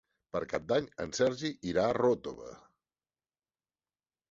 Per Cap d'Any en Sergi irà a Ròtova.